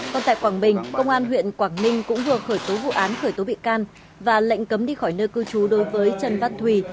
còn tại quảng bình công an huyện quảng ninh cũng vừa khởi tố vụ án khởi tố bị can và lệnh cấm đi khỏi nơi cư trú đối với trần văn thùy